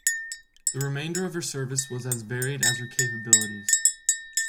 The remainder of her service was as varied as her capabilities.